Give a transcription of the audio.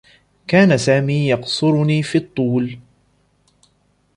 كان سامي يقصرني في الطول.